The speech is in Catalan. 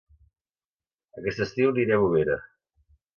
Aquest estiu aniré a Bovera